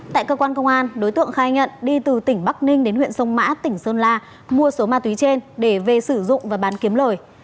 tại cơ quan công an đối tượng khai nhận đi từ tỉnh bắc ninh đến huyện sông mã tỉnh sơn la mua số ma túy trên để về sử dụng và bán kiếm lời